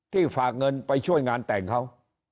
ฝากเงินไปช่วยงานแต่งเขา